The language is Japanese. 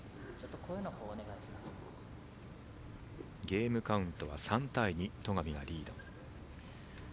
ゲームカウントは３対２戸上がリード。